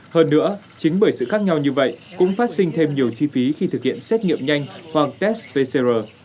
hơn nữa chính bởi sự khác nhau như vậy cũng phát sinh thêm nhiều chi phí khi thực hiện xét nghiệm nhanh hoặc test pcr